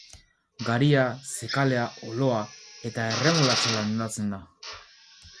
Garia, zekalea, oloa eta erremolatxa landatzen da.